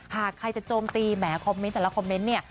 หากใครจะโจมตีแหมคอมเมนต์แต่ละคอมเมนต์เนี่ย